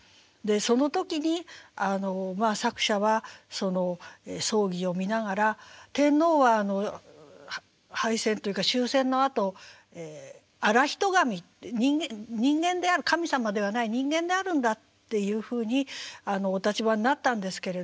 その時に作者はその葬儀を見ながら天皇は敗戦というか終戦のあと現人神って人間である神様ではない人間であるんだっていうふうにお立場になったんですけれども。